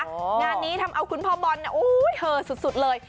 งานนี้ทำเอาคุณพ่อบอลเหอสุดเลย